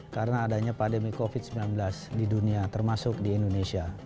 karena adanya pandemi covid sembilan belas di dunia termasuk di indonesia